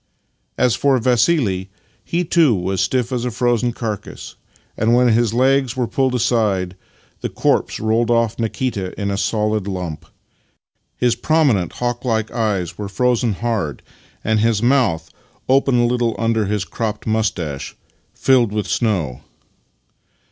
As for Vassili, he too was as stiff as a frozen carcase, and when his legs were pulled aside the corpse rolled off Nikita in a solid lump. His prominent, hawk like eyes were frozen hard, and his mouth (open a little under his cropped moustache) filled with snow.